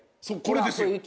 そうこれですよ。